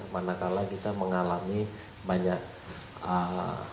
manakala kita mengalami banyak